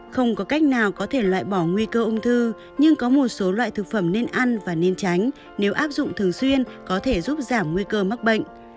không có cách nào có thể loại bỏ nguy cơ ung thư nhưng có một số loại thực phẩm nên ăn và nên tránh nếu áp dụng thường xuyên có thể giúp giảm nguy cơ mắc bệnh